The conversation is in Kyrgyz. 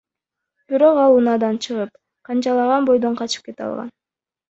Бирок ал унаадан чыгып, канжалаган бойдон качып кете алган.